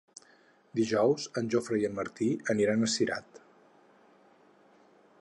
Dijous en Jofre i en Martí aniran a Cirat.